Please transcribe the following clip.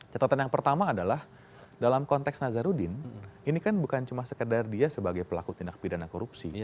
catatan yang pertama adalah dalam konteks nazarudin ini kan bukan cuma sekedar dia sebagai pelaku tindak pidana korupsi